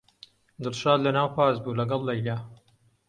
دڵشاد لەناو پاس بوو لەگەڵ لەیلا.